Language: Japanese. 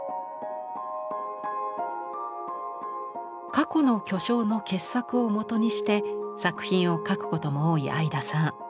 過去の巨匠の傑作をもとにして作品を描くことも多い会田さん。